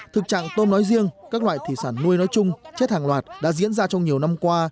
thực trạng tôm nói riêng các loại thủy sản nuôi nói chung chết hàng loạt đã diễn ra trong nhiều năm qua